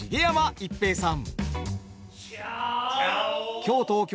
逸平さん。